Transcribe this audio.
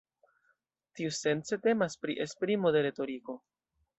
Tiusence temas pri esprimo de retoriko.